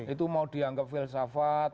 itu mau dianggap filsafat